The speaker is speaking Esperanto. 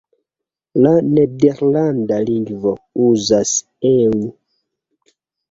La Nederlanda lingvo uzas "eu".